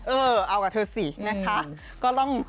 เออเอากับเธอสินะคะ